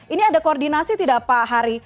ini ada koordinasi tidak pak hari